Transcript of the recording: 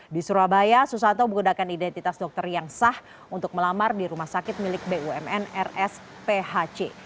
di surabaya susanto menggunakan identitas dokter yang sah untuk melamar di rumah sakit milik bumn rsphc